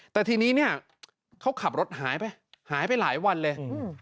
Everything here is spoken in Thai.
แต่ทีนี้เนี่ยเขาขับรถหายไปหายไปหลายวันเลย